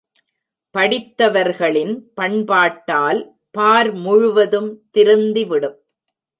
படித்தவர்களின் பண்பாட்டால் பார் முழுவதும் திருந்திவிடும்.